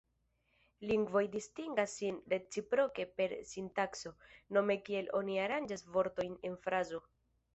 Lingvoj distingas sin reciproke per sintakso, nome kiel oni aranĝas vortojn en frazo.